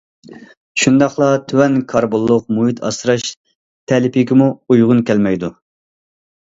شۇنداقلا‹‹ تۆۋەن كاربونلۇق مۇھىت ئاسراش›› تەلىپىگىمۇ ئۇيغۇن كەلمەيدۇ.